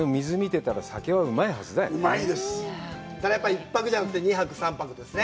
１泊じゃなくて２泊３泊ですね。